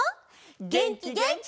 げんきげんき！